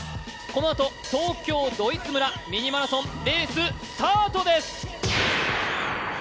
このあと東京ドイツ村ミニマラソン、レーススタートです